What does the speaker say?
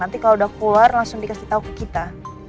nanti kalau udah keluar langsung dikasih tahu ke kita